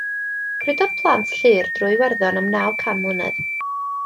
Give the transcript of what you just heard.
Crwydrodd plant Llŷr drwy Iwerddon am naw can mlynedd.